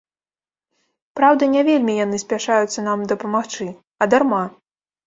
Праўда, не вельмі яны спяшаюцца нам дапамагчы, а дарма.